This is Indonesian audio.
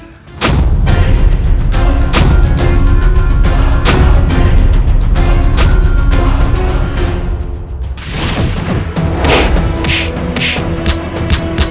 kau tidak bisa menang